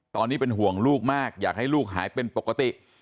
ตอนนี้เป็นห่วงลูกมากอยากให้ลูกหายเป็นปกติ